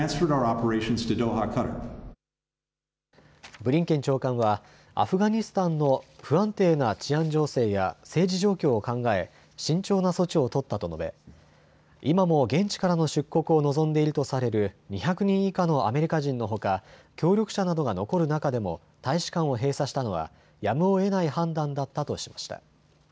ブリンケン長官はアフガニスタンの不安定な治安情勢や政治状況を考え慎重な措置を取ったと述べ今も現地からの出国を望んでいるとされる２００人以下のアメリカ人のほか協力者などが残る中でも大使館を閉鎖したのはやむをえない判断だったとしました。